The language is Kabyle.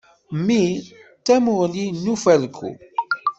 Mmi d tamuɣli n ufalku.